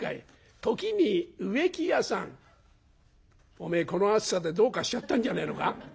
「おめえこの暑さでどうかしちゃったんじゃねえのか？